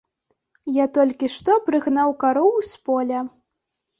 Я толькі што прыгнаў кароў з поля.